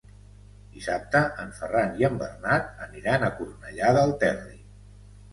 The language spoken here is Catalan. Dissabte en Ferran i en Bernat aniran a Cornellà del Terri.